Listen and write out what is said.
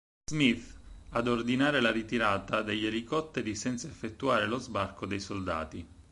Smith ad ordinare la ritirata degli elicotteri senza effettuare lo sbarco dei soldati.